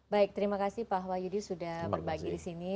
baik terima kasih pak wahyudi sudah berbagi di sini